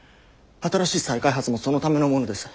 新しい再開発もそのためのものです。